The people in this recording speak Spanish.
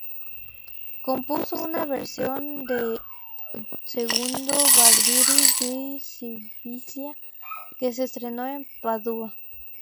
Compuso una versión de "Il Barbiere di Siviglia" que se estrenó en Padua.